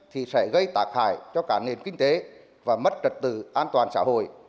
thì sẽ gây tác hại cho cả nền kinh tế và mất trật tự an toàn xã hội